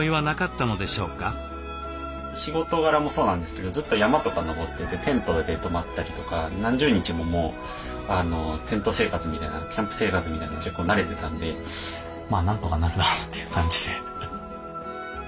仕事柄もそうなんですけどずっと山とか登っててテントで泊まったりとか何十日ももうテント生活みたいなキャンプ生活みたいなのに結構慣れてたんでなんとかなるだろうという感じで。